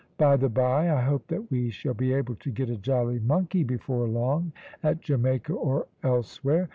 By the bye, I hope that we shall be able to get a jolly monkey before long, at Jamaica or elsewhere.